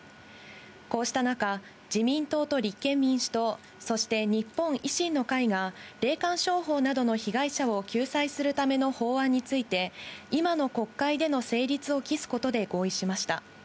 こうした中、自民党と立憲民主党、そして日本維新の会が霊感商法などの被害者を救済するための法案について、今の国会での成立を期すことで合意しました。